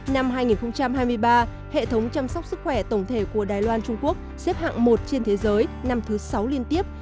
năm hai nghìn hai mươi ba hệ thống chăm sóc sức khỏe tổng thể của đài loan trung quốc xếp hạng một trên thế giới năm thứ sáu liên tiếp